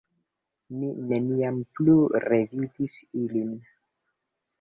Mi neniam plu revidis ilin.